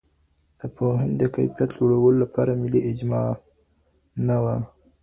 د پوهنې د کیفیت د لوړولو لپاره ملي اجماع نه وه.